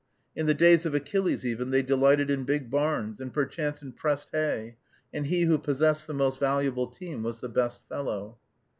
In the days of Achilles, even, they delighted in big barns, and perchance in pressed hay, and he who possessed the most valuable team was the best fellow.